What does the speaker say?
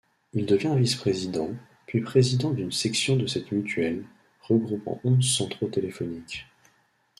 Il devient vice-président, puis président d'une section de cette mutuelle, regroupant onze centraux téléphoniques.